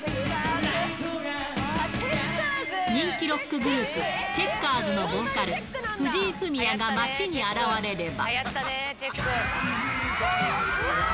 人気ロックグループ、チェッカーズのボーカル、藤井フミヤが街に現れれば。